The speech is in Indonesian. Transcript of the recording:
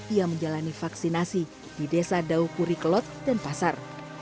ia menjalani vaksinasi di desa dauguri kelot denpasar